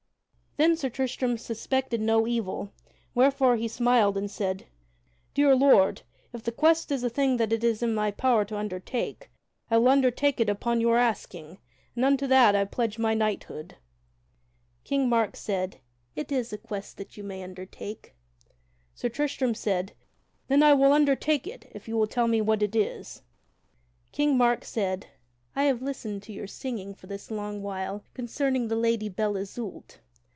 Then Sir Tristram suspected no evil, wherefore he smiled and said: "Dear Lord, if the quest is a thing that it is in my power to undertake, I will undertake it upon your asking, and unto that I pledge my knighthood." King Mark said, "It is a quest that you may undertake." Sir Tristram said, "Then I will undertake it, if you will tell me what it is." [Sidenote: King Mark betrays Sir Tristram to a promise] King Mark said: "I have listened to your singing for this long while concerning the Lady Belle Isoult.